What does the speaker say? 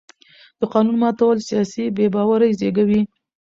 د قانون ماتول سیاسي بې باوري زېږوي